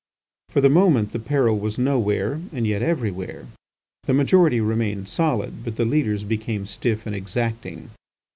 For the moment the peril was nowhere and yet everywhere. The majority remained solid; but the leaders became stiff and exacting.